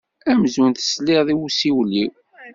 Amzun tesliḍ-d i usiwel-iw.